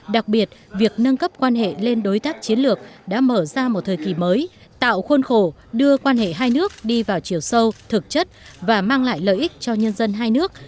đặc biệt việc nâng cấp quan hệ lên đối tác chiến lược đã mở ra một thời kỳ mới tạo khuôn khổ đưa quan hệ hai nước đi vào chiều sâu thực chất và mang lại lợi ích cho nhân dân hai nước